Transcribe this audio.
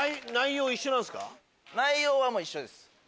内容は一緒です。